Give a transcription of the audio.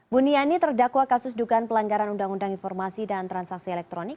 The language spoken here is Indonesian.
buniani terdakwa kasus dugaan pelanggaran undang undang informasi dan transaksi elektronik